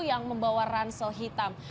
yang membawa ransel hitam